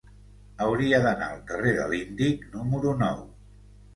Hauria d'anar al carrer de l'Índic número nou.